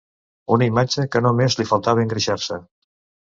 Una imatge que no més li faltava engreixar-se